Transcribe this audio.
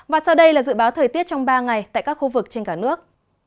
và sau đây là dự báo thời tiết trong ba ngày tại các khu vực trên cả nước